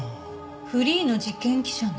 フリーの事件記者ね。